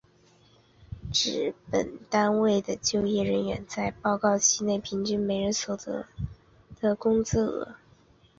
指本单位就业人员在报告期内平均每人所得的工资额。